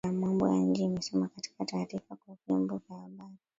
Wizara ya Mambo ya Nje imesema katika taarifa kwa vyombo vya habari